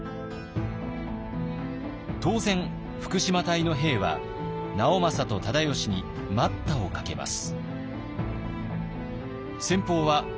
当然福島隊の兵は直政と忠吉に待ったをかけます。